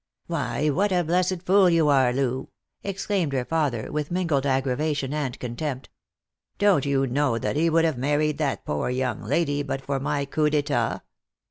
"Why what a blessed fool you are, Loo!" exclaimed her father, with mingled aggravation and contempt. " Don't you know that he would have married that poor young lady but for my coup d'etat